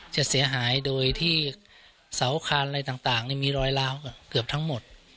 จะเสียหายโดยที่เสาคานอะไรต่างมีรอยล้าวเกือบทั้งหมด